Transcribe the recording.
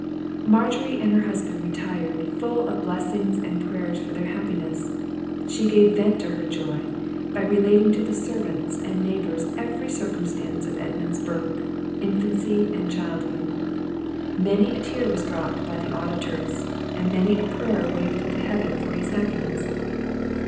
Margery and her husband retired, full of blessings and prayers for their happiness; she gave vent to her joy, by relating to the servants and neighbours every circumstance of Edmund's birth, infancy, and childhood. Many a tear was dropped by the auditors, and many a prayer wafted to Heaven for his happiness.